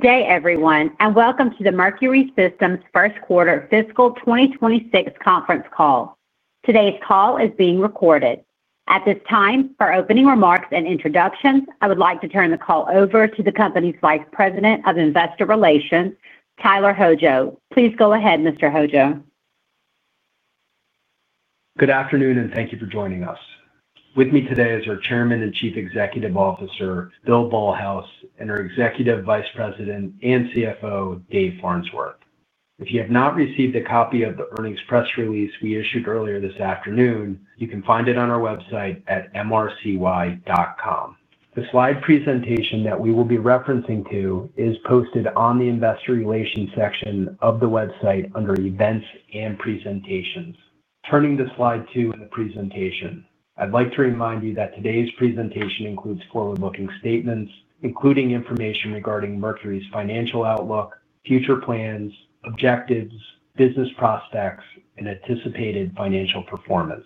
Good day, everyone, and welcome to the Mercury Systems First Quarter Fiscal 2026 Conference Call. Today's call is being recorded. At this time, for opening remarks and introductions, I would like to turn the call over to the company's Vice President of Investor Relations, Tyler Hojo. Please go ahead, Mr. Hojo. Good afternoon, and thank you for joining us. With me today is our Chairman and Chief Executive Officer, Bill Ballhaus, and our Executive Vice President and CFO, Dave Farnsworth. If you have not received a copy of the Earnings Press Release we issued earlier this afternoon, you can find it on our website at mrcy.com. The slide presentation that we will be referencing to is posted on the Investor Relations section of the website under Events and Presentations. Turning to slide two in the presentation, I'd like to remind you that today's presentation includes forward-looking statements, including information regarding Mercury's financial outlook, future plans, objectives, business prospects, and anticipated financial performance.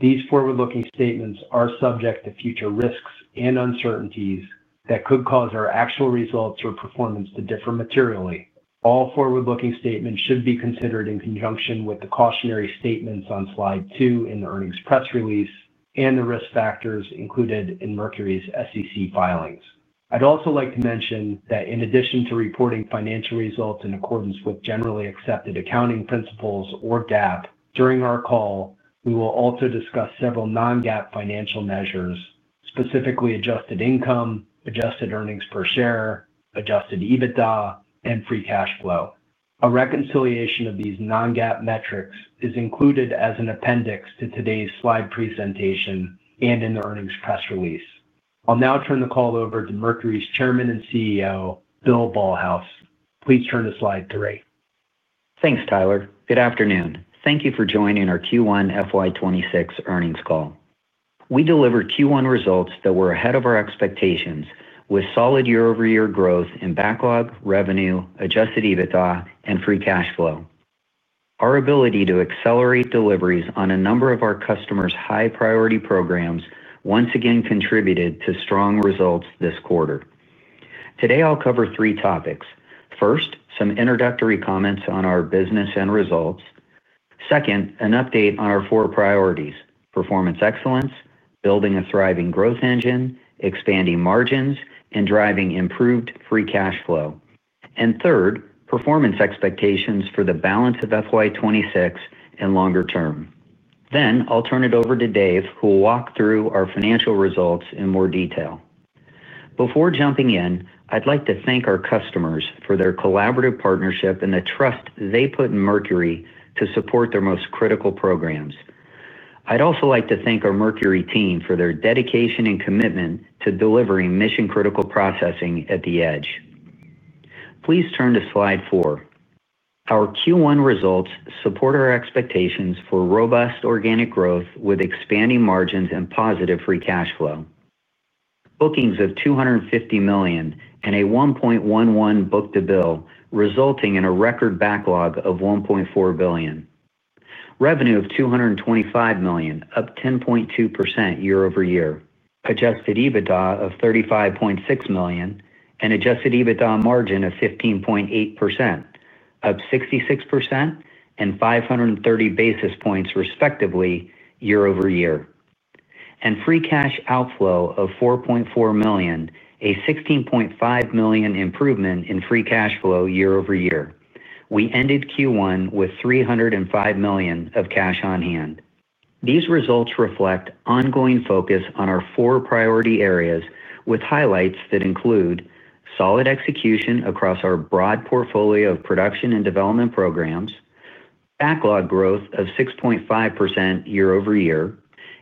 These forward-looking statements are subject to future risks and uncertainties that could cause our actual results or performance to differ mater2ially. All forward-looking statements should be considered in conjunction with the cautionary statements on slide two in the Earnings Press Release and the risk factors included in Mercury's SEC filings. I'd also like to mention that in addition to reporting financial results in accordance with Generally Accepted Accounting Principles or GAAP, during our call, we will also discuss several non-GAAP financial measures, specifically Adjusted income, adjusted earnings per share, Adjusted EBITDA, and Free Cash Flow. A reconciliation of these non-GAAP metrics is included as an appendix to today's slide presentation and in the Earnings Press Release. I'll now turn the call over to Mercury's Chairman and CEO, Bill Ballhaus. Please turn to slide three. Thanks, Tyler. Good afternoon. Thank you for joining our Q1 FY 2026 Earnings Call. We deliver Q1 results that were ahead of our expectations, with solid year-over-year growth in backlog revenue, Adjusted EBITDA, and Free Cash Flow. Our ability to accelerate deliveries on a number of our customers' high-priority programs once again contributed to strong results this quarter. Today, I'll cover three topics. First, some introductory comments on our business and results. Second, an update on our four priorities: Performance Excellence, Building a Thriving Growth Engine, expanding Driving Improved Free Cash Flow. And third, performance expectations for the balance of FY 2026 and longer term. Then, I'll turn it over to Dave, who will walk through our financial results in more detail. Before jumping in, I'd like to thank our customers for their collaborative partnership and the trust they put in Mercury to support their most critical programs. I'd also like to thank our Mercury team for their dedication and commitment to delivering mission-critical processing at the edge. Please turn to slide four. Our Q1 results support our expectations for robust organic growth with expanding margins and positive Free Cash Flow. Bookings of $250 million and a 1.11 book-to-bill, resulting in a record backlog of $1.4 billion. Revenue of $225 million, up 10.2% year-over-year, Adjusted EBITDA of $35.6 million, and Adjusted EBITDA margin of 15.8%. Up 66% and 530 basis points, respectively, year-over-year. And Free Cash Outflow of $4.4 million, a $16.5 million improvement in Free Cash Flow year-over-year. We ended Q1 with $305 million of cash on hand. These results reflect ongoing focus on our four priority areas, with highlights that include: solid execution across our broad portfolio of production and development programs, backlog growth of 6.5% year-over-year,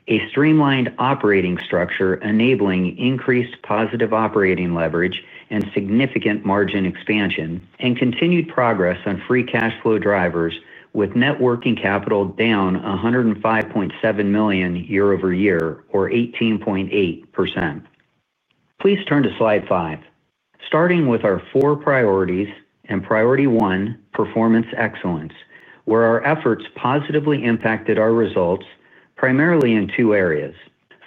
a streamlined operating structure enabling increased positive operating leverage and significant margin expansion, and continued progress on Free Cash Flow drivers, with net working capital down $105.7 million year-over-year, or 18.8%. Please turn to slide five. Starting with our four priorities and priority one, Performance Excellence, where our efforts positively impacted our results primarily in two areas.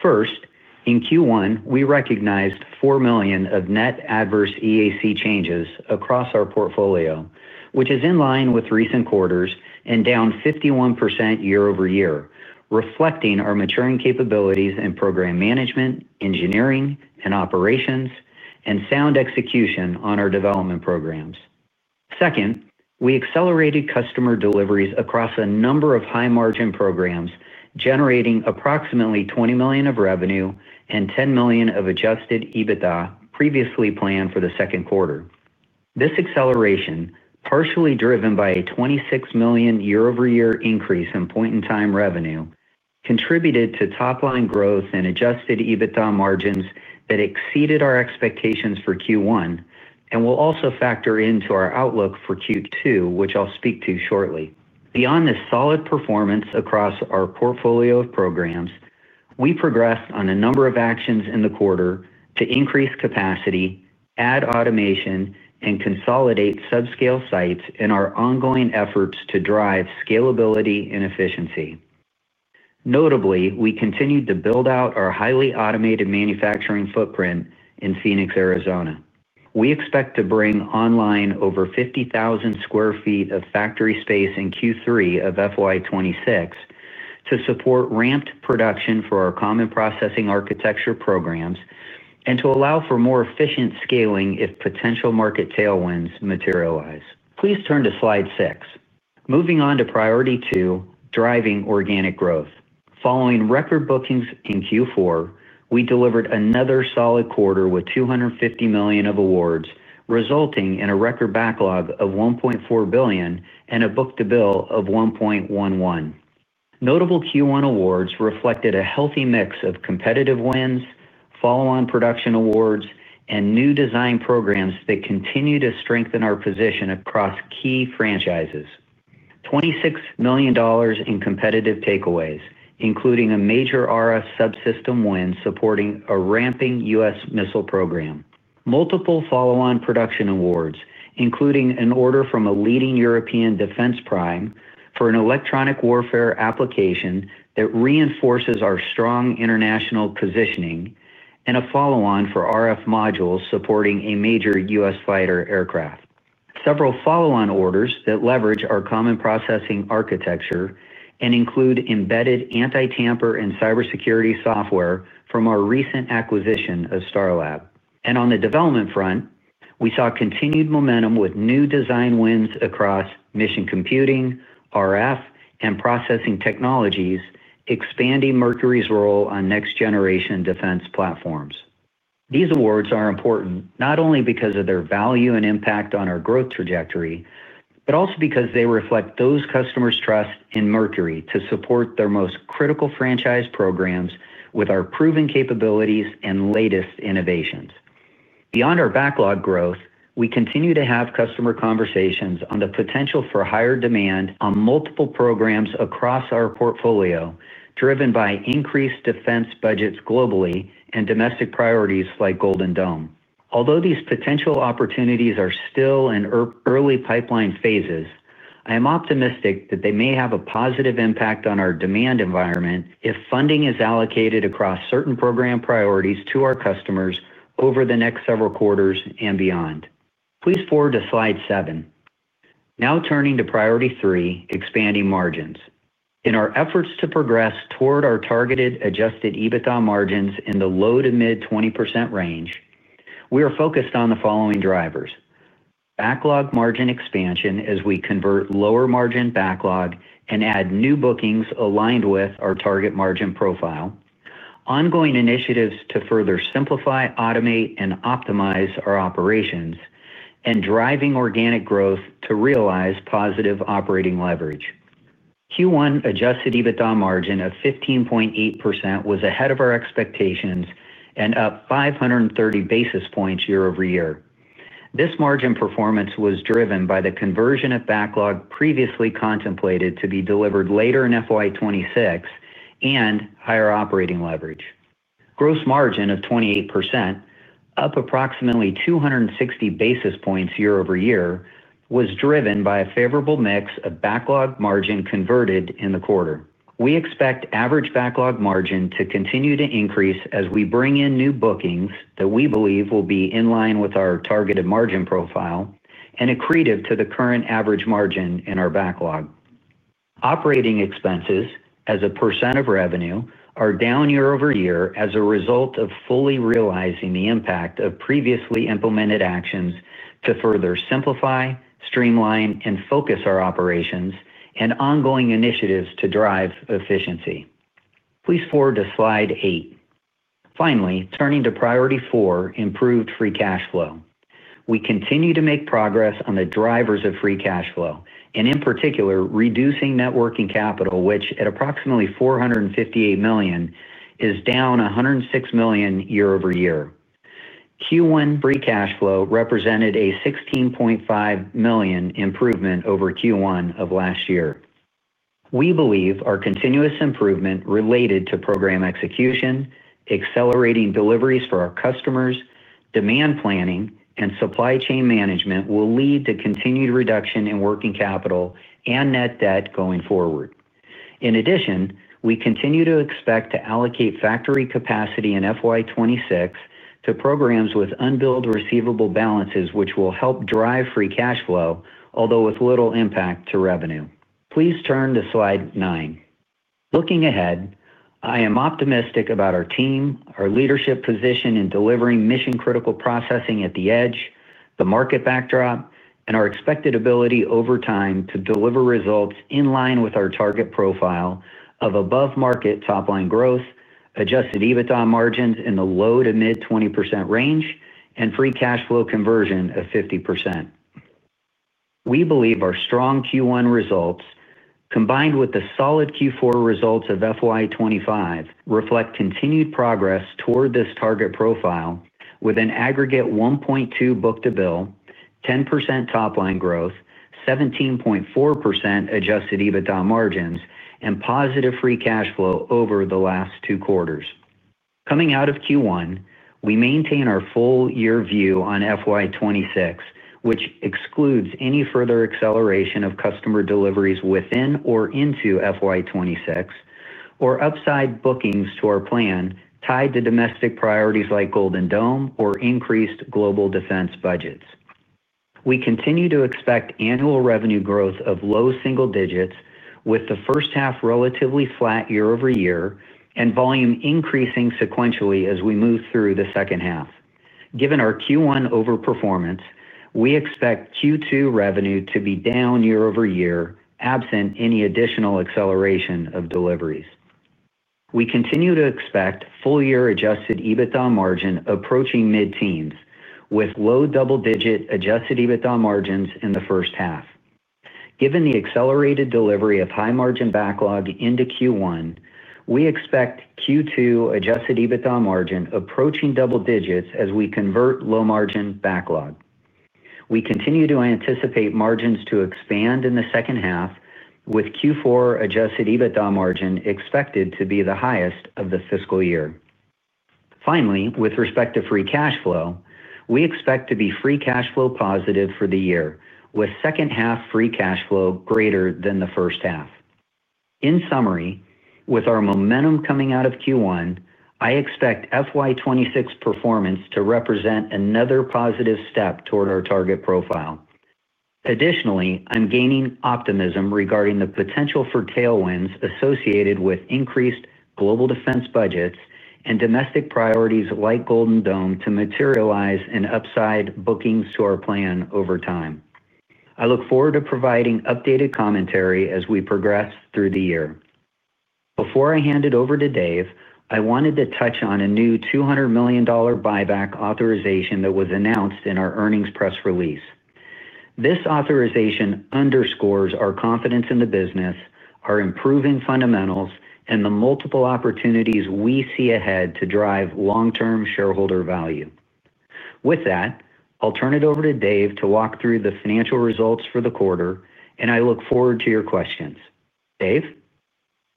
First, in Q1, we recognized $4 million of net adverse EAC changes across our portfolio, which is in line with recent quarters and down 51% year-over-year, reflecting our maturing capabilities in program management, engineering, and operations, and sound execution on our development programs. Second, we accelerated customer deliveries across a number of high-margin programs, generating approximately $20 million of revenue and $10 million of Adjusted EBITDA previously planned for the second quarter. This acceleration, partially driven by a $26 million year-over-year increase in point-in-time revenue, contributed to top-line growth and Adjusted EBITDA margins that exceeded our expectations for Q1 and will also factor into our outlook for Q2, which I'll speak to shortly. Beyond this solid performance across our portfolio of programs, we progressed on a number of actions in the quarter to increase capacity, add automation, and consolidate subscale sites in our ongoing efforts to drive scalability and efficiency. Notably, we continued to build out our highly automated manufacturing footprint in Phoenix, Arizona. We expect to bring online over 50,000 sq ft of factory space in Q3 of FY 2026 to support ramped production for our Common Processing Architecture programs and to allow for more efficient scaling if potential market tailwinds materialize. Please turn to slide six. Moving on to Priority Two, Driving Organic Growth. Following record bookings in Q4, we delivered another solid quarter with $250 million of awards, resulting in a record backlog of $1.4 billion and a book-to-bill of 1.11. Notable Q1 awards reflected a healthy mix of competitive wins, follow-on production awards, and new design programs that continue to strengthen our position across key franchises. $26 million in competitive takeaways, including a major RF subsystem win supporting a ramping U.S. missile program. Multiple follow-on production awards, including an order from a leading European defense prime for an electronic warfare application that reinforces our strong international positioning, and a follow-on for RF modules supporting a major U.S. fighter aircraft. Several follow-on orders that leverage our Common Processing Architecture and include embedded anti-tamper and cybersecurity software from our recent acquisition of Starlab. And on the development front, we saw continued momentum with new design wins across mission computing, RF, and processing technologies, expanding Mercury's role on next-generation defense platforms. These awards are important not only because of their value and impact on our growth trajectory, but also because they reflect those customers' trust in Mercury to support their most critical franchise programs with our proven capabilities and latest innovations. Beyond our backlog growth, we continue to have customer conversations on the potential for higher demand on multiple programs across our portfolio, driven by increased defense budgets globally and domestic priorities like Golden Dome. Although these potential opportunities are still in early pipeline phases, I am optimistic that they may have a positive impact on our demand environment if funding is allocated across certain program priorities to our customers over the next several quarters and beyond. Please forward to slide seven. Now turning to Priority Three, Expanding Margins. In our efforts to progress toward our targeted Adjusted EBITDA margins in the low-to-mid-20% range, we are focused on the following drivers. Backlog margin expansion as we convert lower margin backlog and add new bookings aligned with our target margin profile, ongoing initiatives to further simplify, automate, and optimize our operations, and driving organic growth to realize positive operating leverage. Q1 Adjusted EBITDA margin of 15.8% was ahead of our expectations and up 530 basis points year-over-year. This margin performance was driven by the conversion of backlog previously contemplated to be delivered later in FY 2026 and higher operating leverage. Gross margin of 28%, up approximately 260 basis points year-over-year, was driven by a favorable mix of backlog margin converted in the quarter. We expect average backlog margin to continue to increase as we bring in new bookings that we believe will be in line with our targeted margin profile and accretive to the current average margin in our backlog. Operating expenses, as a percent of revenue, are down year-over-year as a result of fully realizing the impact of previously implemented actions to further simplify, streamline, and focus our operations, and ongoing initiatives to drive efficiency. Please forward to slide eight. Finally, turning to Priority Four, Improved Free Cash Flow. We continue to make progress on the drivers of Free Cash Flow, and in particular, reducing net working capital, which at approximately $458 million is down $106 million year-over-year. Q1 Free Cash Flow represented a $16.5 million improvement over Q1 of last year. We believe our continuous improvement related to program execution, accelerating deliveries for our customers, demand planning, and supply chain management will lead to continued reduction in working capital and net debt going forward. In addition, we continue to expect to allocate factory capacity in FY 2026 to programs with unbilled receivable balances, which will help drive Free Cash Flow, although with little impact to revenue. Please turn to slide nine. Looking ahead, I am optimistic about our team, our leadership position in delivering mission-critical processing at the edge, the market backdrop, and our expected ability over time to deliver results in line with our target profile of above-market top-line growth, Adjusted EBITDA margins in the low- to mid-20% range, and Free Cash Flow conversion of 50%. We believe our strong Q1 results, combined with the solid Q4 results of FY 2025, reflect continued progress toward this target profile with an aggregate 1.2 book-to-bill, 10% top-line growth, 17.4% Adjusted EBITDA margins, and positive Free Cash Flow over the last two quarters. Coming out of Q1, we maintain our full year view on FY 2026, which excludes any further acceleration of customer deliveries within or into FY 2026 or upside bookings to our plan tied to domestic priorities like Golden Dome or increased global defense budgets. We continue to expect annual revenue growth of low single digits, with the first half relatively flat year-over-year and volume increasing sequentially as we move through the second half. Given our Q1 overperformance, we expect Q2 revenue to be down year-over-year, absent any additional acceleration of deliveries. We continue to expect full-year Adjusted EBITDA margin approaching mid-teens, with low double-digit Adjusted EBITDA margins in the first half. Given the accelerated delivery of high-margin backlog into Q1, we expect Q2 Adjusted EBITDA margin approaching double digits as we convert low-margin backlog. We continue to anticipate margins to expand in the second half, with Q4 Adjusted EBITDA margin expected to be the highest of the fiscal year. Finally, with respect to Free Cash Flow, we expect to be Free Cash Flow positive for the year, with second-half Free Cash Flow greater than the first half. In summary, with our momentum coming out of Q1, I expect FY 2026 performance to represent another positive step toward our target profile. Additionally, I'm gaining optimism regarding the potential for tailwinds associated with increased global defense budgets and domestic priorities like Golden Dome to materialize in upside bookings to our plan over time. I look forward to providing updated commentary as we progress through the year. Before I hand it over to Dave, I wanted to touch on a new $200 million buyback authorization that was announced in our Earnings Press Release. This authorization underscores our confidence in the business, our improving fundamentals, and the multiple opportunities we see ahead to drive long-term shareholder value. With that, I'll turn it over to Dave to walk through the financial results for the quarter, and I look forward to your questions. Dave?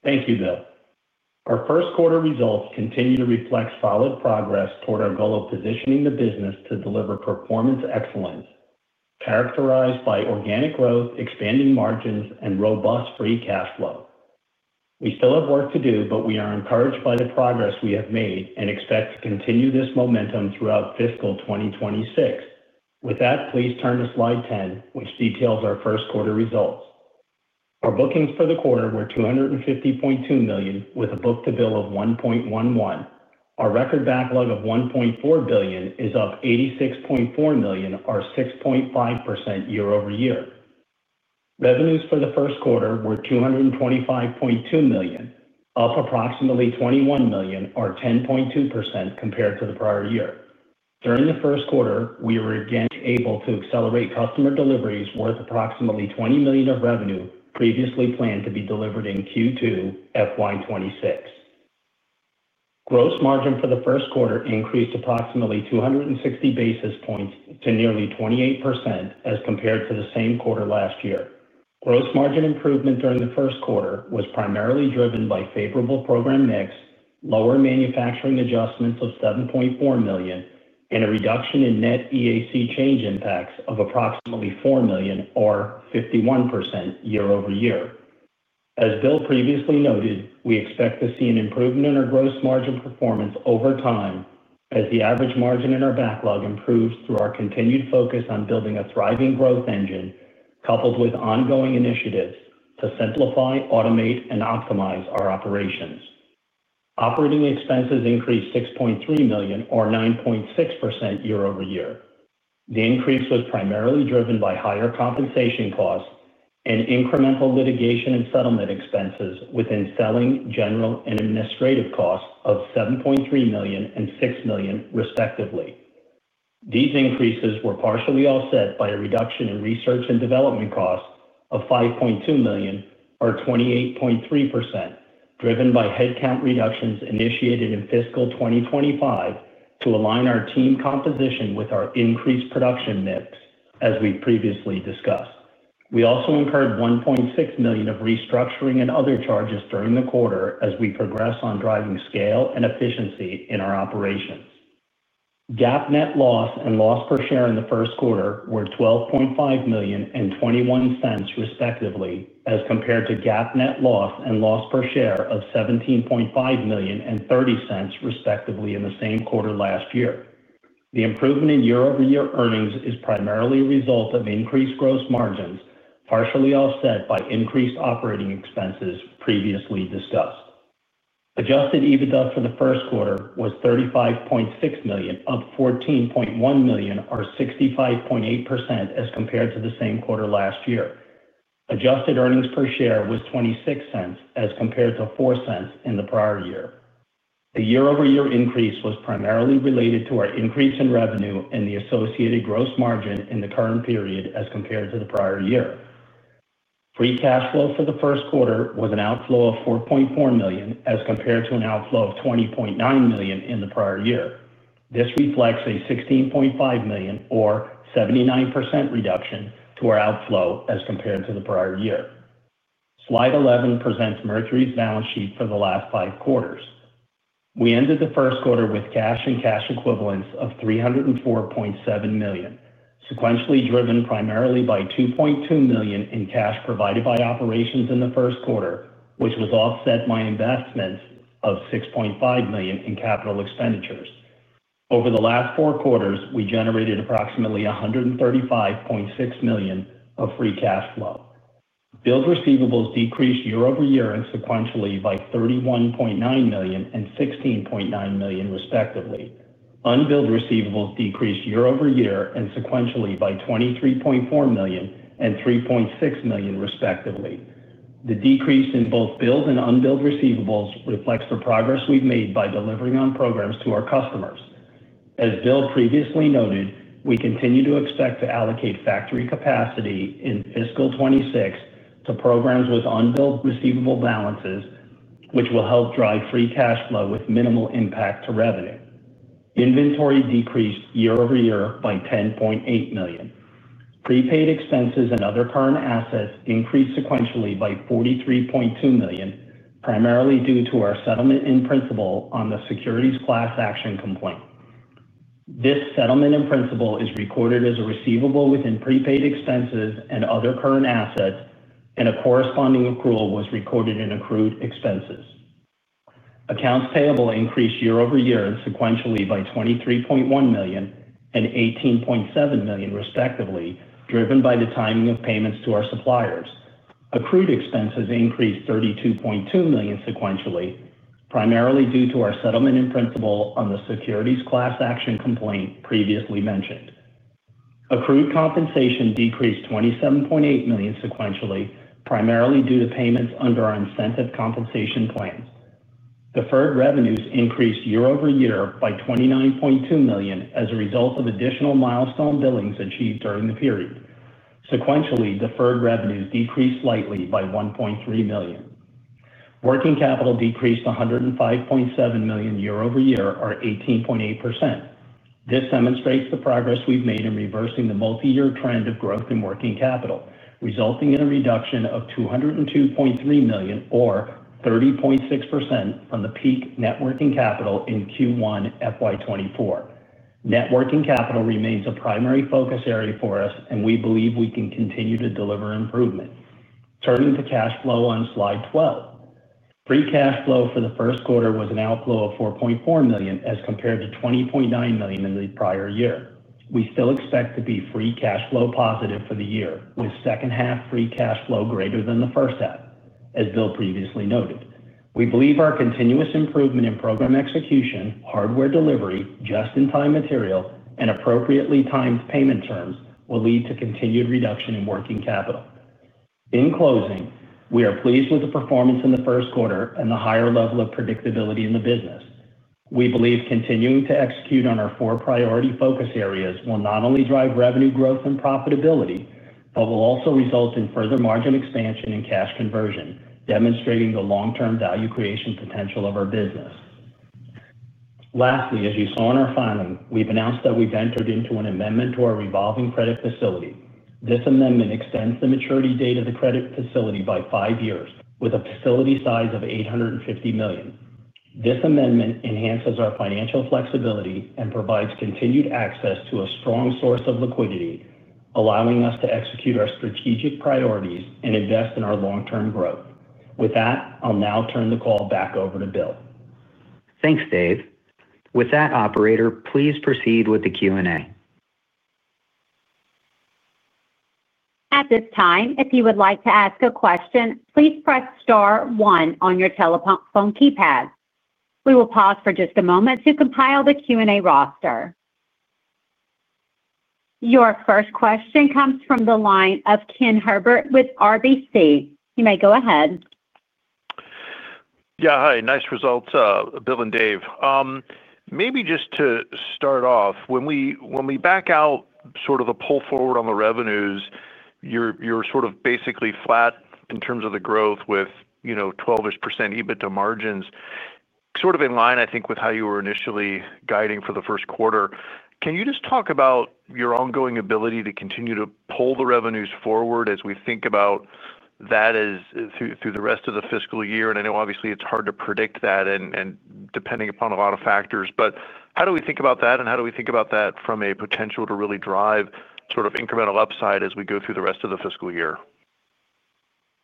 Thank you, Bill. Our first quarter results continue to reflect solid progress toward our goal of positioning the business to deliver Performance Excellence characterized by organic growth, expanding margins, and robust Free Cash Flow. We still have work to do, but we are encouraged by the progress we have made and expect to continue this momentum throughout fiscal 2026. With that, please turn to slide 10, which details our first quarter results. Our bookings for the quarter were $250.2 million, with a book-to-bill of 1.11. Our record backlog of $1.4 billion is up $86.4 million, or 6.5% year-over-year. Revenues for the first quarter were $225.2 million, up approximately $21 million, or 10.2% compared to the prior year. During the first quarter, we were again able to accelerate customer deliveries worth approximately $20 million of revenue previously planned to be delivered in Q2 FY 2026. Gross margin for the first quarter increased approximately 260 basis points to nearly 28% as compared to the same quarter last year. Gross margin improvement during the first quarter was primarily driven by favorable program mix, lower manufacturing adjustments of $7.4 million, and a reduction in net EAC change impacts of approximately $4 million, or 51% year-over-year. As Bill previously noted, we expect to see an improvement in our gross margin performance over time as the average margin in our backlog improves through our continued focus on Building a Thriving Growth Engine coupled with ongoing initiatives to simplify, automate, and optimize our operations. Operating expenses increased $6.3 million, or 9.6% year-over-year. The increase was primarily driven by higher compensation costs and incremental litigation and settlement expenses within selling, general, and administrative costs of $7.3 million and $6 million, respectively. These increases were partially offset by a reduction in research and development costs of $5.2 million, or 28.3%, driven by headcount reductions initiated in fiscal 2025 to align our team composition with our increased production mix, as we previously discussed. We also incurred $1.6 million of restructuring and other charges during the quarter as we progress on driving scale and efficiency in our operations. GAAP net loss and loss per share in the first quarter were $12.5 million and $0.21, respectively, as compared to GAAP net loss and loss per share of $17.5 million and $0.30, respectively, in the same quarter last year. The improvement in year-on-year earnings is primarily a result of increased gross margins, partially offset by increased operating expenses previously discussed. Adjusted EBITDA for the first quarter was $35.6 million, up $14.1 million, or 65.8% as compared to the same quarter last year. Adjusted earnings per share was $0.26 as compared to $0.04 in the prior year. The year-over-year increase was primarily related to our increase in revenue and the associated gross margin in the current period as compared to the prior year. Free Cash Flow for the first quarter was an outflow of $4.4 million as compared to an outflow of $20.9 million in the prior year. This reflects a $16.5 million, or 79% reduction, to our outflow as compared to the prior year. Slide 11 presents Mercury's balance sheet for the last five quarters. We ended the first quarter with cash and cash equivalents of $304.7 million, sequentially driven primarily by $2.2 million in cash provided by operations in the first quarter, which was offset by investments of $6.5 million in capital expenditures. Over the last four quarters, we generated approximately $135.6 million of Free Cash Flow. Billed receivables decreased year-over-year and sequentially by $31.9 million and $16.9 million, respectively. Unbilled receivables decreased year-over-year and sequentially by $23.4 million and $3.6 million, respectively. The decrease in both billed and unbilled receivables reflects the progress we've made by delivering on programs to our customers. As Bill previously noted, we continue to expect to allocate factory capacity in fiscal 26 to programs with unbilled receivable balances, which will help drive Free Cash Flow with minimal impact to revenue. Inventory decreased year-over-year by $10.8 million. Prepaid expenses and other current assets increased sequentially by $43.2 million, primarily due to our settlement in principle on the securities class action complaint. This settlement in principle is recorded as a receivable within prepaid expenses and other current assets, and a corresponding accrual was recorded in accrued expenses. Accounts payable increased year-over-year and sequentially by $23.1 million and $18.7 million, respectively, driven by the timing of payments to our suppliers. Accrued expenses increased $32.2 million sequentially, primarily due to our settlement in principle on the securities class action complaint previously mentioned. Accrued compensation decreased $27.8 million sequentially, primarily due to payments under our incentive compensation plans. Deferred revenues increased year-over-year by $29.2 million as a result of additional milestone billings achieved during the period. Sequentially, deferred revenues decreased slightly by $1.3 million. Working capital decreased $105.7 million year-over-year, or 18.8%. This demonstrates the progress we've made in reversing the multi-year trend of growth in working capital, resulting in a reduction of $202.3 million, or 30.6%, from the peak net working capital in Q1 FY 2024. Net working capital remains a primary focus area for us, and we believe we can continue to deliver improvement. Turning to cash flow on slide 12. Free Cash Flow for the first quarter was an outflow of $4.4 million as compared to $20.9 million in the prior year. We still expect to be Free Cash Flow positive for the year, with second-half Free Cash Flow greater than the first half, as Bill previously noted. We believe our continuous improvement in program execution, hardware delivery, just-in-time material, and appropriately timed payment terms will lead to continued reduction in working capital. In closing, we are pleased with the performance in the first quarter and the higher level of predictability in the business. We believe continuing to execute on our four priority focus areas will not only drive revenue growth and profitability, but will also result in further margin expansion and cash conversion, demonstrating the long-term value creation potential of our business. Lastly, as you saw in our filing, we've announced that we've entered into an amendment to our revolving credit facility. This amendment extends the maturity date of the credit facility by five years, with a facility size of $850 million. This amendment enhances our financial flexibility and provides continued access to a strong source of liquidity, allowing us to execute our strategic priorities and invest in our long-term growth. With that, I'll now turn the call back over to Bill. Thanks, Dave. With that, operator, please proceed with the Q&A. At this time, if you would like to ask a question, please press star one on your telephone keypad. We will pause for just a moment to compile the Q&A roster. Your first question comes from the line of Ken Herbert with RBC. You may go ahead. Yeah, hi. Nice results, Bill and Dave. Maybe just to start off, when we back out sort of the pull forward on the revenues, you're sort of basically flat in terms of the growth with 12% EBITDA margins, sort of in line, I think, with how you were initially guiding for the first quarter. Can you just talk about your ongoing ability to continue to pull the revenues forward as we think about that through the rest of the fiscal year? And I know, obviously, it's hard to predict that and depending upon a lot of factors. But how do we think about that, and how do we think about that from a potential to really drive sort of incremental upside as we go through the rest of the fiscal year?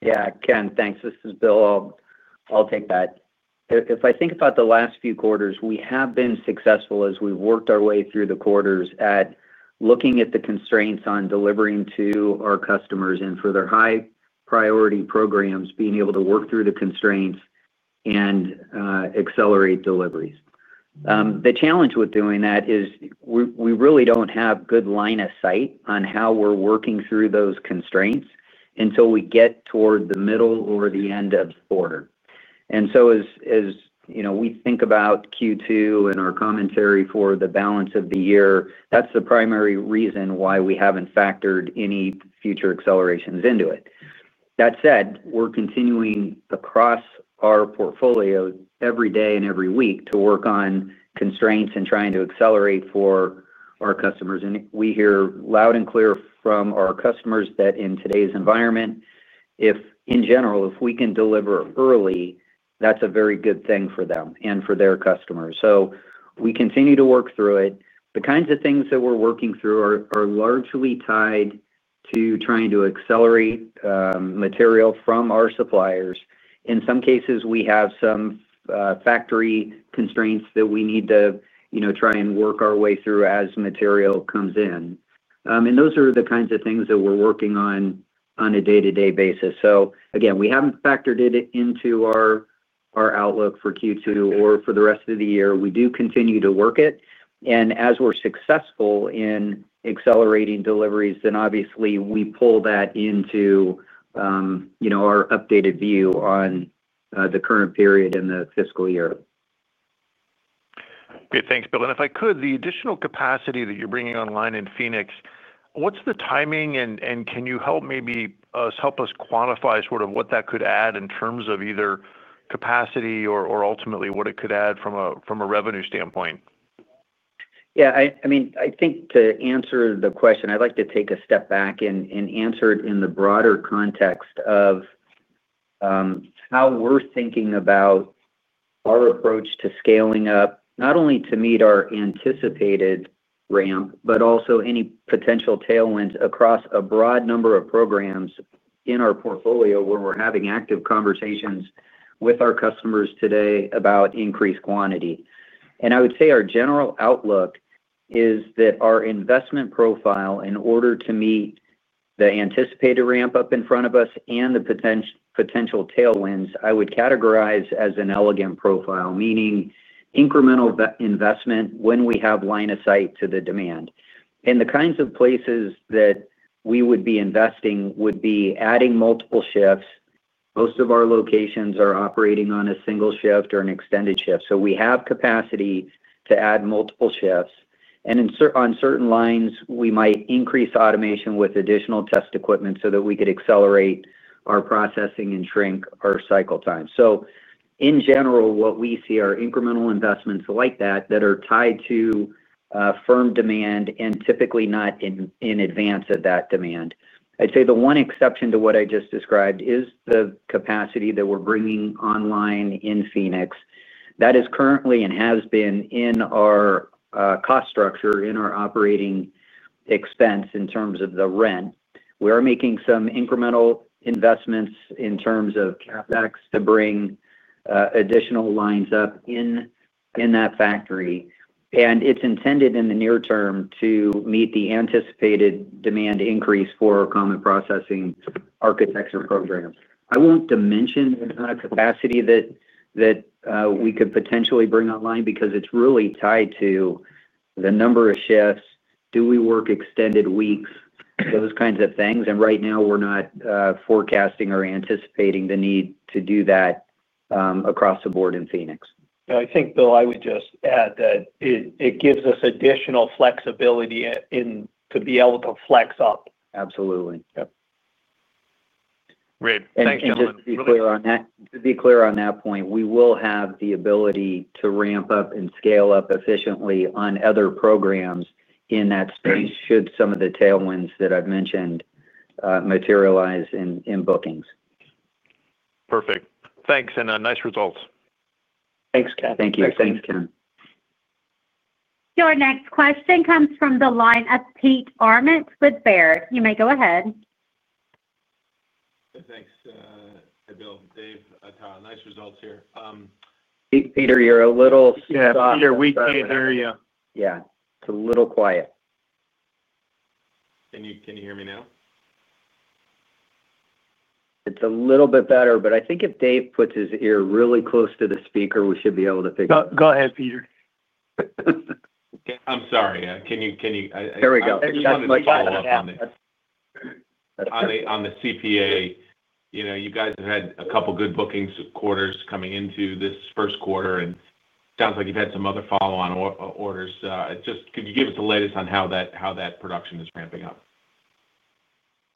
Yeah, Ken, thanks. This is Bill. I'll take that. If I think about the last few quarters, we have been successful as we've worked our way through the quarters at looking at the constraints on delivering to our customers and for their high-priority programs, being able to work through the constraints and accelerate deliveries. The challenge with doing that is we really don't have good line of sight on how we're working through those constraints until we get toward the middle or the end of the quarter. And so as we think about Q2 and our commentary for the balance of the year, that's the primary reason why we haven't factored any future accelerations into it. That said, we're continuing across our portfolio every day and every week to work on constraints and trying to accelerate for our customers. And we hear loud and clear from our customers that in today's environment, in general, if we can deliver early, that's a very good thing for them and for their customers. So we continue to work through it. The kinds of things that we're working through are largely tied to trying to accelerate material from our suppliers. In some cases, we have some factory constraints that we need to try and work our way through as material comes in. And those are the kinds of things that we're working on on a day-to-day basis. So again, we haven't factored it into our outlook for Q2 or for the rest of the year. We do continue to work it. And as we're successful in accelerating deliveries, then obviously we pull that into our updated view on the current period and the fiscal year. Great. Thanks, Bill. And if I could, the additional capacity that you're bringing online in Phoenix, what's the timing, and can you help maybe us help us quantify sort of what that could add in terms of either capacity or ultimately what it could add from a revenue standpoint? Yeah. I mean, I think to answer the question, I'd like to take a step back and answer it in the broader context of how we're thinking about our approach to scaling up, not only to meet our anticipated ramp, but also any potential tailwinds across a broad number of programs in our portfolio where we're having active conversations with our customers today about increased quantity. And I would say our general outlook is that our investment profile, in order to meet the anticipated ramp up in front of us and the potential tailwinds, I would categorize as an elegant profile, meaning incremental investment when we have line of sight to the demand. And the kinds of places that we would be investing would be adding multiple shifts. Most of our locations are operating on a single shift or an extended shift. So we have capacity to add multiple shifts. And on certain lines, we might increase automation with additional test equipment so that we could accelerate our processing and shrink our cycle time. So in general, what we see are incremental investments like that that are tied to firm demand and typically not in advance of that demand. I'd say the one exception to what I just described is the capacity that we're bringing online in Phoenix that is currently and has been in our cost structure, in our operating expense in terms of the rent. We are making some incremental investments in terms of CapEx to bring additional lines up in that factory. And it's intended in the near term to meet the anticipated demand increase for Common Processing Architecture programs. I won't dimension the capacity that we could potentially bring online because it's really tied to the number of shifts, do we work extended weeks, those kinds of things. And right now, we're not forecasting or anticipating the need to do that across the board in Phoenix. I think, Bill, I would just add that it gives us additional flexibility to be able to flex up. Absolutely. Yep. Great. Thanks, John. To be clear on that. To be clear on that point, we will have the ability to ramp up and scale up efficiently on other programs in that space should some of the tailwinds that I've mentioned materialize in bookings. Perfect. Thanks. And nice results. Thanks, Ken. Thank you. Thanks, Ken. Your next question comes from the line of Peter Arment with Baird. You may go ahead. Thanks, Bill, Dave, Tyler. Nice results here. Peter, you're a little stopped. Yeah, Peter, we can't hear you. Yeah. It's a little quiet. Can you hear me now? It's a little bit better. But I think if Dave puts his ear really close to the speaker, we should be able to pick up. Go ahead, Peter. I'm sorry. Can you? There we go. You sounded like you had a lot on this. On the CPA, you guys have had a couple of good bookings quarters coming into this first quarter. And it sounds like you've had some other follow-on orders. Could you give us the latest on how that production is ramping up?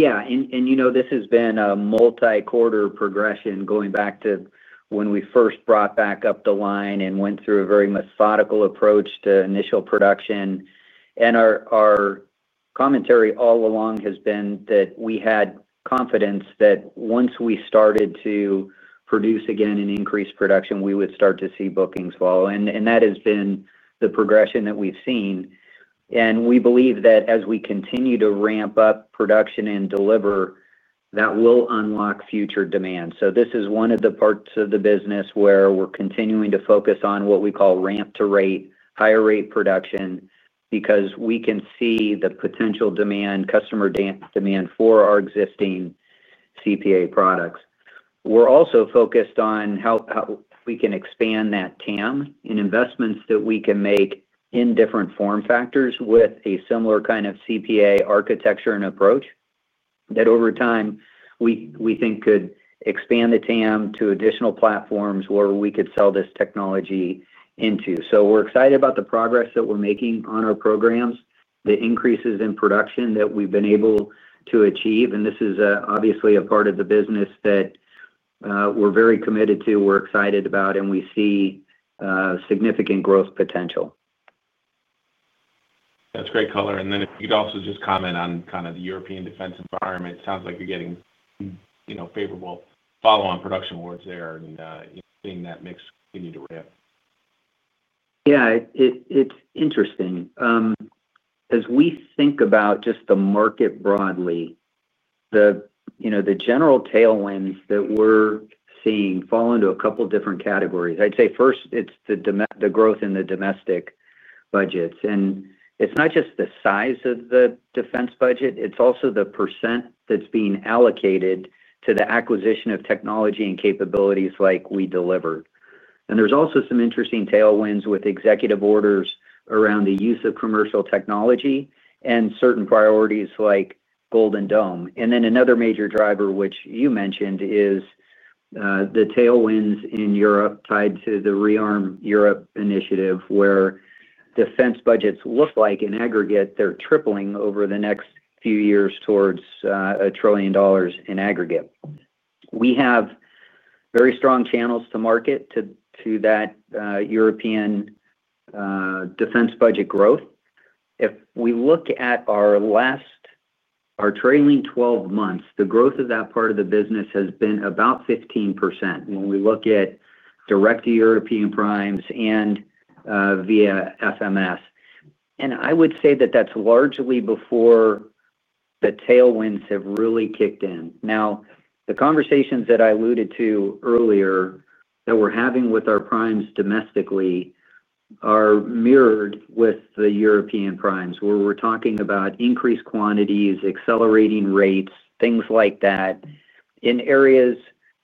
Yeah. And this has been a multi-quarter progression going back to when we first brought back up the line and went through a very methodical approach to initial production. And our commentary all along has been that we had confidence that once we started to produce again and increase production, we would start to see bookings follow. And that has been the progression that we've seen. And we believe that as we continue to ramp up production and deliver, that will unlock future demand. So this is one of the parts of the business where we're continuing to focus on what we call ramp-to-rate, higher-rate production because we can see the potential demand, customer demand for our existing CPA products. We're also focused on how we can expand that TAM and investments that we can make in different form factors with a similar kind of CPA architecture and approach that over time, we think could expand the TAM to additional platforms where we could sell this technology into. So we're excited about the progress that we're making on our programs, the increases in production that we've been able to achieve. And this is obviously a part of the business that we're very committed to, we're excited about, and we see significant growth potential. That's great, color. And then if you could also just comment on kind of the European defense environment, it sounds like you're getting favorable follow-on production awards there and seeing that mix continue to ramp. Yeah. It's interesting. As we think about just the market broadly. The general tailwinds that we're seeing fall into a couple of different categories. I'd say first, it's the growth in the domestic budgets. And it's not just the size of the defense budget. It's also the percent that's being allocated to the acquisition of technology and capabilities like we delivered. And there's also some interesting tailwinds with executive orders around the use of commercial technology and certain priorities like Golden Dome. And then another major driver, which you mentioned, is the tailwinds in Europe tied to the ReArm Europe initiative where defense budgets look like in aggregate, they're tripling over the next few years towards a trillion dollars in aggregate. We have very strong channels to market to that European defense budget growth. If we look at our trailing 12 months, the growth of that part of the business has been about 15% when we look at direct to European primes and via FMS. And I would say that that's largely before the tailwinds have really kicked in. Now, the conversations that I alluded to earlier that we're having with our primes domestically are mirrored with the European primes where we're talking about increased quantities, accelerating rates, things like that. In areas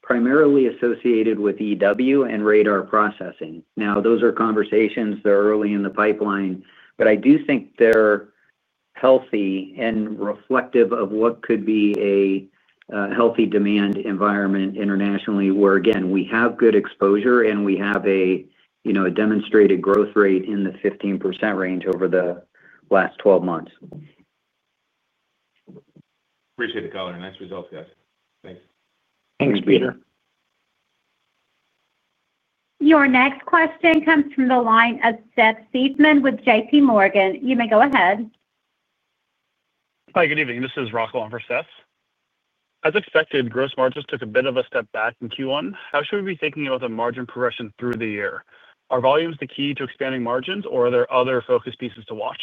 primarily associated with EW and radar processing. Now, those are conversations that are early in the pipeline, but I do think they're healthy and reflective of what could be a healthy demand environment internationally where, again, we have good exposure and we have a demonstrated growth rate in the 15% range over the last 12 months. Appreciate it, Color. Nice results, guys. Thanks. Thanks, Peter. Your next question comes from the line of Seth Seifman with JPMorgan. You may go ahead. Hi. Good evening. This is Russel on for Seth. As expected, gross margins took a bit of a step back in Q1. How should we be thinking about the margin progression through the year? Are volumes the key to expanding margins, or are there other focus pieces to watch?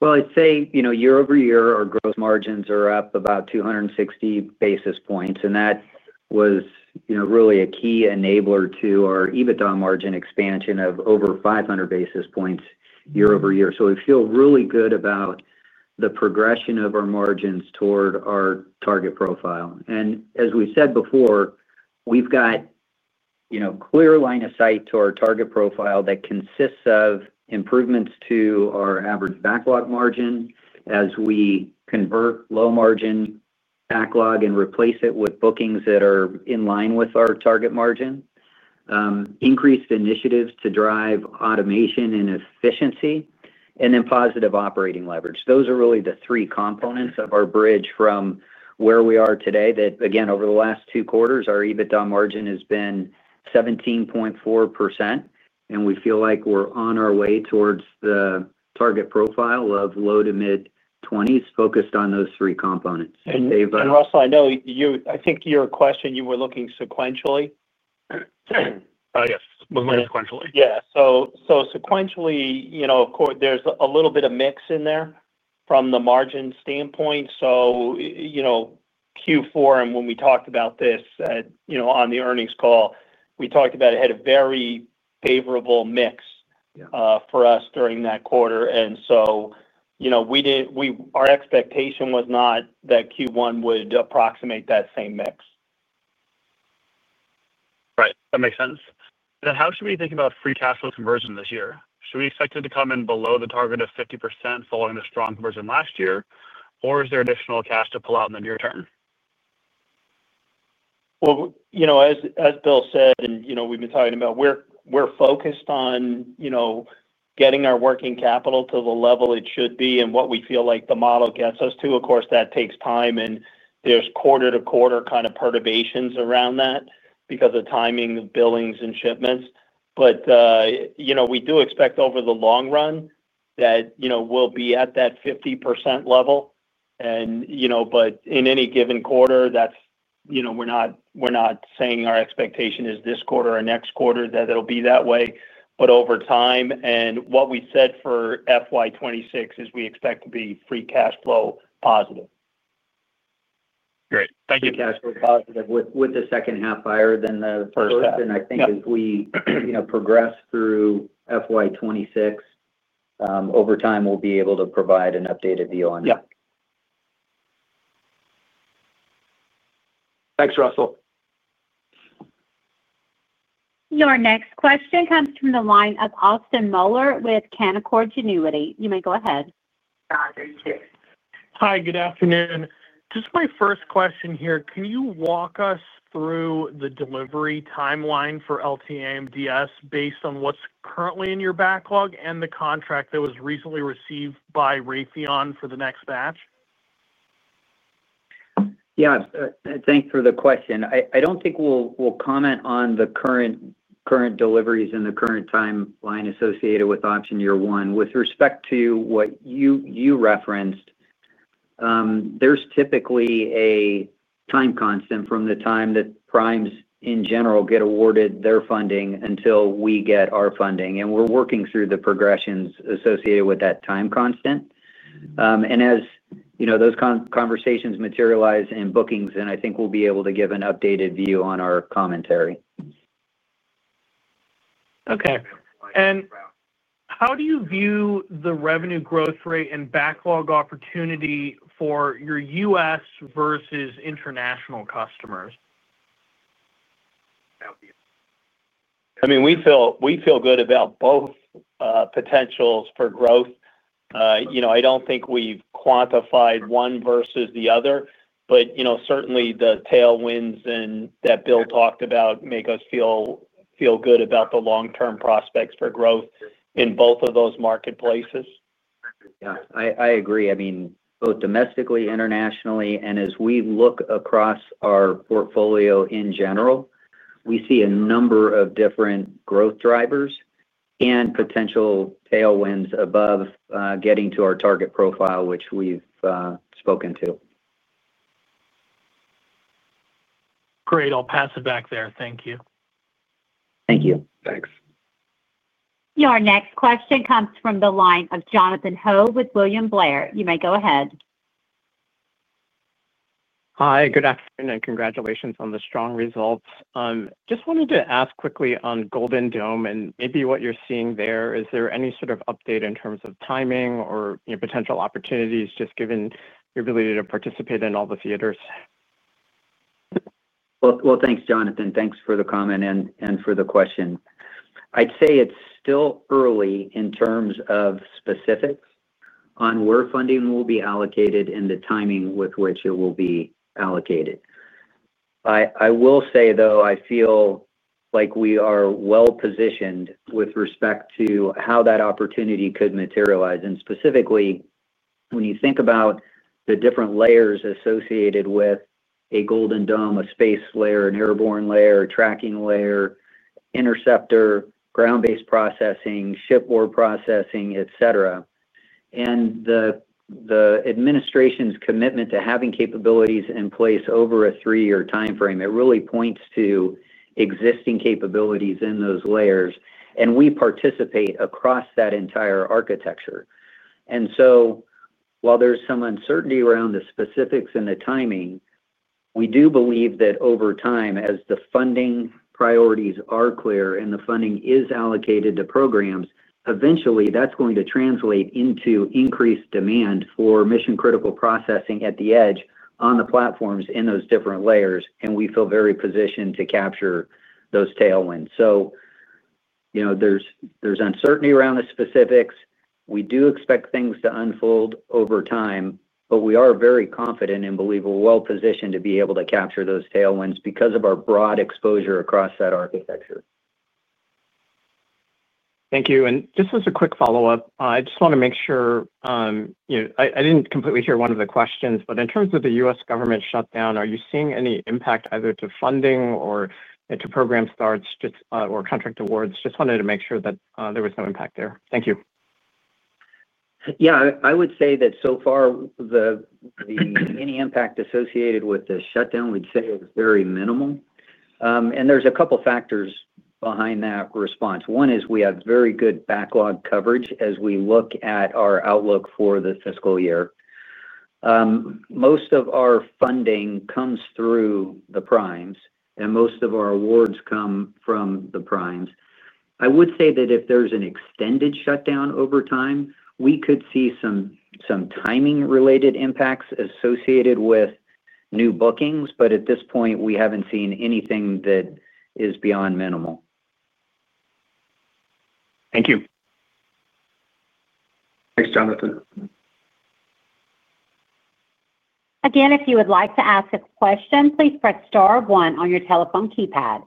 Well, I'd say year-over-year, our gross margins are up about 260 basis points. And that was really a key enabler to our EBITDA margin expansion of over 500 basis points year-over-year. So we feel really good about the progression of our margins toward our target profile. And as we said before, we've got. Clear line of sight to our target profile that consists of improvements to our average backlog margin as we convert low-margin backlog and replace it with bookings that are in line with our target margin. Increased initiatives to drive automation and efficiency, and then positive operating leverage. Those are really the three components of our bridge from where we are today that, again, over the last two quarters, our EBITDA margin has been 17.4%. And we feel like we're on our way towards the target profile of low- to mid-20s% focused on those three components. And also, I know I think your question, you were looking sequentially? Yes. Looking sequentially. Yeah. So sequentially, of course, there's a little bit of mix in there from the margin standpoint. So, Q4, and when we talked about this on the earnings call, we talked about it had a very favorable mix for us during that quarter, and so our expectation was not that Q1 would approximate that same mix. Right. That makes sense. Then how should we think about Free Cash Flow conversion this year? Should we expect it to come in below the target of 50% following the strong conversion last year, or is there additional cash to pull out in the near term? As Bill said, and we've been talking about, we're focused on getting our working capital to the level it should be and what we feel like the model gets us to. Of course, that takes time, and there's quarter-to-quarter kind of perturbations around that because of timing of billings and shipments. We do expect over the long run that we'll be at that 50% level. But in any given quarter, we're not saying our expectation is this quarter or next quarter that it'll be that way, but over time, and what we said for FY 2026 is we expect to be Free Cash Flow positive. Great. Thank you. Free Cash Flow positive with the second half higher than the first half. And I think as we progress through FY 2026, over time, we'll be able to provide an updated view on that. Yeah. Thanks, Russell. Your next question comes from the line of Austin Moeller with Canaccord Genuity. You may go ahead. Hi. Good afternoon. Just my first question here. Can you walk us through the delivery timeline for LTAMDS based on what's currently in your backlog and the contract that was recently received by Raytheon for the next batch? Yeah. Thanks for the question. I don't think we'll comment on the current deliveries and the current timeline associated with option year one with respect to what you referenced. There's typically a time constant from the time that primes, in general, get awarded their funding until we get our funding. And we're working through the progressions associated with that time constant. And as those conversations materialize in bookings, then I think we'll be able to give an updated view on our commentary. Okay. And. How do you view the revenue growth rate and backlog opportunity for your US versus international customers? I mean, we feel good about both. Potentials for growth. I don't think we've quantified one versus the other, but certainly the tailwinds that Bill talked about make us feel good about the long-term prospects for growth in both of those marketplaces. Yeah. I agree. I mean, both domestically, internationally, and as we look across our portfolio in general, we see a number of different growth drivers and potential tailwinds above getting to our target profile, which we've spoken to. Great. I'll pass it back there. Thank you. Thank you. Thanks. Your next question comes from the line of Jonathan Ho with William Blair. You may go ahead. Hi. Good afternoon and congratulations on the strong results. Just wanted to ask quickly on Golden Dome and maybe what you're seeing there. Is there any sort of update in terms of timing or potential opportunities just given your ability to participate in all the theaters? Well, thanks, Jonathan. Thanks for the comment and for the question. I'd say it's still early in terms of specifics on where funding will be allocated and the timing with which it will be allocated. I will say, though, I feel like we are well-positioned with respect to how that opportunity could materialize. And specifically, when you think about the different layers associated with a Golden Dome, a space layer, an airborne layer, tracking layer, interceptor, ground-based processing, shipboard processing, etc., and the administration's commitment to having capabilities in place over a three-year timeframe, it really points to existing capabilities in those layers. And we participate across that entire architecture. And so while there's some uncertainty around the specifics and the timing, we do believe that over time, as the funding priorities are clear and the funding is allocated to programs, eventually, that's going to translate into increased demand for mission-critical processing at the edge on the platforms in those different layers. And we feel very positioned to capture those tailwinds. So. There's uncertainty around the specifics. We do expect things to unfold over time, but we are very confident and believe we're well-positioned to be able to capture those tailwinds because of our broad exposure across that architecture. Thank you. And just as a quick follow-up, I just want to make sure. I didn't completely hear one of the questions, but in terms of the U.S. government shutdown, are you seeing any impact either to funding or to program starts or contract awards? Just wanted to make sure that there was no impact there. Thank you. Yeah. I would say that so far, the any impact associated with the shutdown, we'd say it's very minimal. And there's a couple of factors behind that response. One is we have very good backlog coverage as we look at our outlook for the fiscal year. Most of our funding comes through the primes, and most of our awards come from the primes. I would say that if there's an extended shutdown over time, we could see some timing-related impacts associated with new bookings. But at this point, we haven't seen anything that is beyond minimal. Thank you. Thanks, Jonathan. Again, if you would like to ask a question, please press star one on your telephone keypad.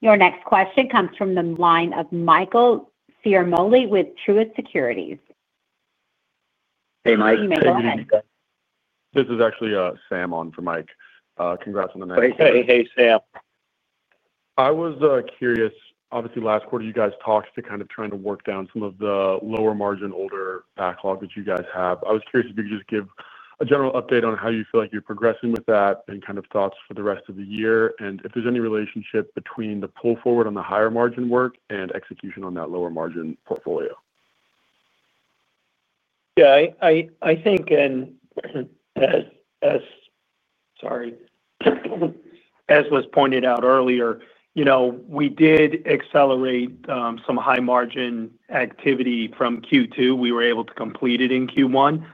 Your next question comes from the line of Michael Ciarmoli with Truist Securities. Hey, Mike. Good evening. This is actually Sam on for Mike. Congrats on the quarter. Hey, Sam. I was curious, obviously, last quarter, you guys talked to kind of trying to work down some of the lower-margin older backlog that you guys have. I was curious if you could just give a general update on how you feel like you're progressing with that and kind of thoughts for the rest of the year, and if there's any relationship between the pull forward on the higher-margin work and execution on that lower-margin portfolio. Yeah. I think. As— Sorry. As was pointed out earlier, we did accelerate some high-margin activity from Q2. We were able to complete it in Q1.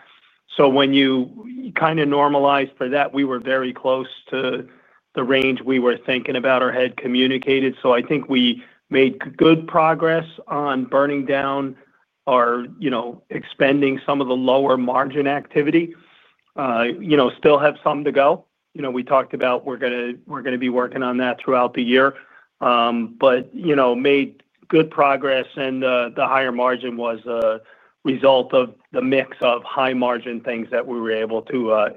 So when you kind of normalize for that, we were very close to the range we were thinking about or had communicated. So I think we made good progress on burning down or expending some of the lower-margin activity. Still have some to go. We talked about we're going to be working on that throughout the year, but made good progress. And the higher margin was a result of the mix of high-margin things that we were able to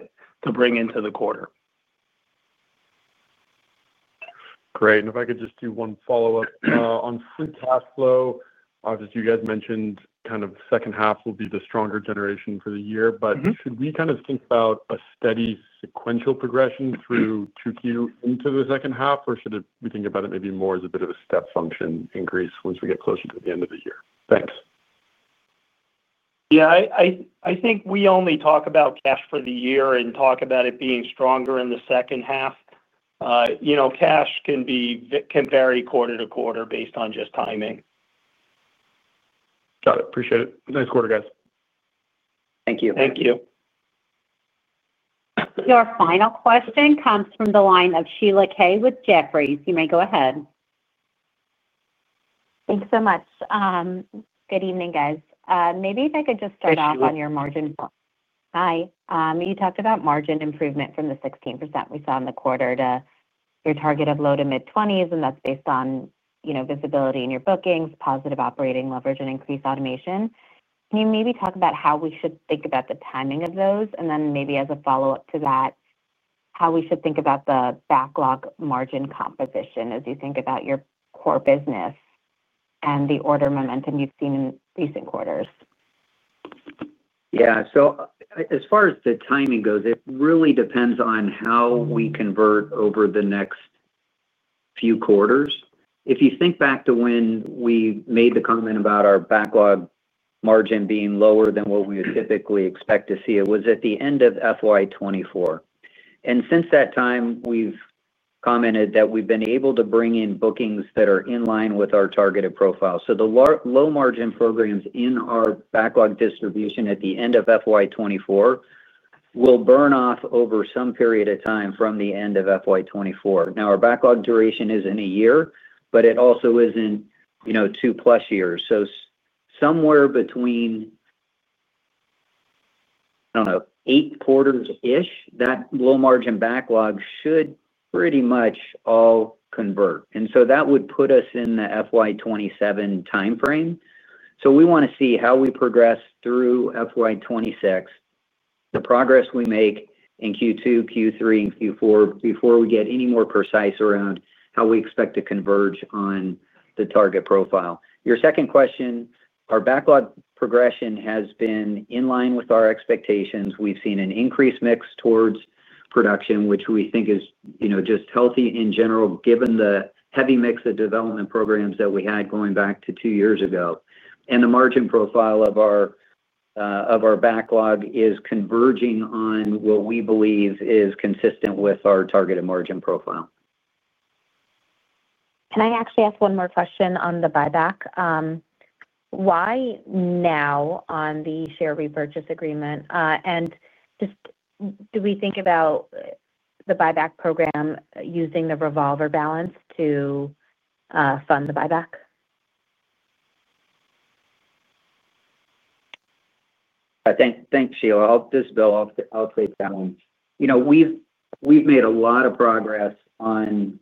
bring into the quarter. Great. And if I could just do one follow-up on Free Cash Flow, obviously, you guys mentioned kind of second half will be the stronger generation for the year. But should we kind of think about a steady sequential progression through Q2 into the second half, or should we think about it maybe more as a bit of a step function increase once we get closer to the end of the year? Thanks. Yeah. I think we only talk about cash for the year and talk about it being stronger in the second half. Cash can vary quarter to quarter based on just timing. Got it. Appreciate it. Nice quarter, guys. Thank you. Thank you. Your final question comes from the line of Sheila Kahyaoglu with Jefferies. You may go ahead. Thanks so much. Good evening, guys. Maybe if I could just start off on your margin— Hi. You talked about margin improvement from the 16% we saw in the quarter to your target of low- to mid-20s, and that's based on visibility in your bookings, positive operating leverage, and increased automation. Can you maybe talk about how we should think about the timing of those? And then maybe as a follow-up to that, how we should think about the backlog margin composition as you think about your core business and the order momentum you've seen in recent quarters? Yeah. So as far as the timing goes, it really depends on how we convert over the next few quarters. If you think back to when we made the comment about our backlog margin being lower than what we would typically expect to see, it was at the end of FY 2024. And since that time, we've commented that we've been able to bring in bookings that are in line with our targeted profile. So the low-margin programs in our backlog distribution at the end of FY 2024 will burn off over some period of time from the end of FY 2024. Now, our backlog duration isn't a year, but it also isn't two-plus years. So somewhere between, I don't know, eight quarters-ish, that low-margin backlog should pretty much all convert. And so that would put us in the FY 2027 timeframe. So we want to see how we progress through FY 2026, the progress we make in Q2, Q3, and Q4 before we get any more precise around how we expect to converge on the target profile. Your second question, our backlog progression has been in line with our expectations. We've seen an increased mix towards production, which we think is just healthy in general given the heavy mix of development programs that we had going back to two years ago. And the margin profile of our backlog is converging on what we believe is consistent with our targeted margin profile. Can I actually ask one more question on the buyback? Why now on the share repurchase agreement? And just how do we think about the buyback program using the revolver balance to fund the buyback? Thanks, Sheila. I'll take that one. We've made a lot of progress on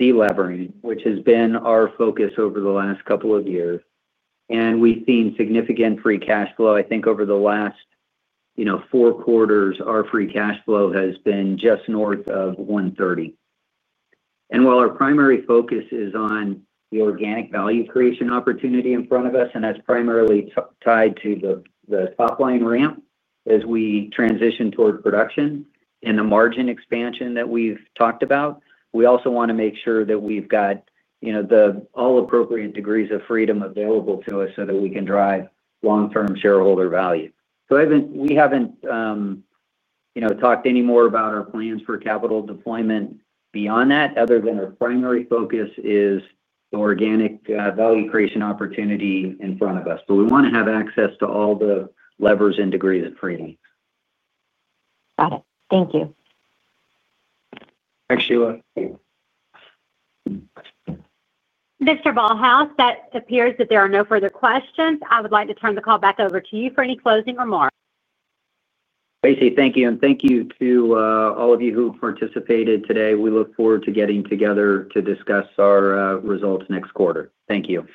deleveraging, which has been our focus over the last couple of years. And we've seen significant Free Cash Flow. I think over the last four quarters, our Free Cash Flow has been just north of $130 million. And while our primary focus is on the organic value creation opportunity in front of us, and that's primarily tied to the top-line ramp as we transition toward production and the margin expansion that we've talked about, we also want to make sure that we've got all the appropriate degrees of freedom available to us so that we can drive long-term shareholder value. So we haven't talked any more about our plans for capital deployment beyond that, other than our primary focus is the organic value creation opportunity in front of us. But we want to have access to all the levers and degrees of freedom. Got it. Thank you. Thanks, Sheila. Mr. Ballhaus, it appears that there are no further questions. I would like to turn the call back over to you for any closing remarks. Racey, thank you. Thank you to all of you who participated today. We look forward to getting together to discuss our results next quarter. Thank you.